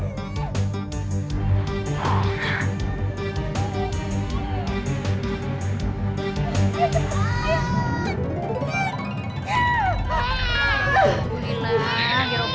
ya allah ya allah ya allah